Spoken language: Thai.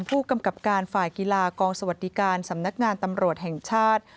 ผู้กำกับการฝ่ายกีฬากองสวัสดิการสำนักงานตำรวจแห่งชาติ